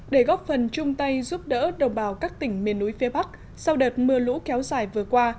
để góp phần chung tay giúp đỡ đồng bào các tỉnh miền núi phía bắc sau đợt mưa lũ kéo dài vừa qua